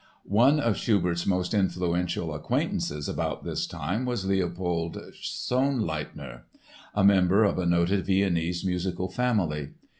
One of Schubert's most influential acquaintances about this time was Leopold Sonnleithner, a member of a noted Viennese musical family.